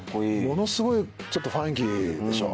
ものすごいちょっとファンキーでしょ。